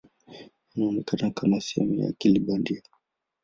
Inaonekana kama sehemu ya akili bandia.